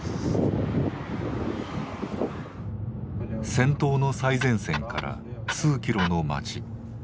戦闘の最前線から数キロの町。